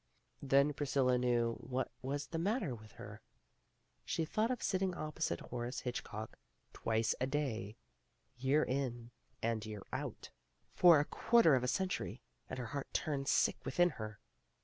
Then Priscilla knew what was the matter with her. She thought of sitting opposite Horace Hitchcock twice a day, year in and year out, for a quarter of a century, and her heart turned sick within her.